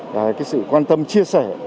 và sự quan tâm chia sẻ